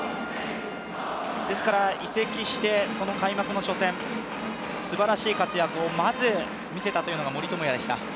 ですから移籍して、その開幕の初戦、すばらしい活躍をまず見せたというのが、森友哉でした。